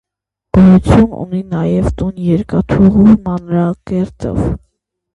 Գոյություն ունի նաև տուն երկաթուղու մանրակերտով։